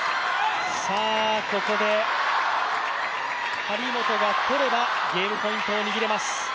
ここで張本が取れば、ゲームポイントを握れます。